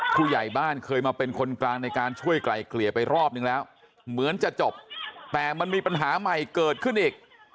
ผู้ใหญ่บ้านเคยมาเป็นคนกลางในการช่วยไกลเกลี่ยไปรอบนึงแล้วเหมือนจะจบแต่มันมีปัญหาใหม่เกิดขึ้นอีก